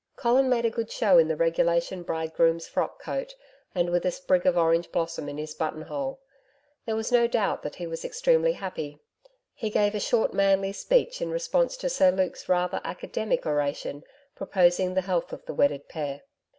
Colin made a good show in the regulation bridegroom's frock coat, and with a sprig of orange blossom in his buttonhole. There was no doubt that he was extremely happy. He gave a short manly speech in response to Sir Luke's rather academic oration proposing the health of the wedded pair.